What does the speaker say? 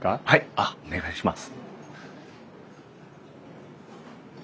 あっお願いします。